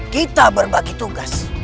kita berbagi tugas